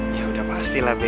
ya udah pastilah be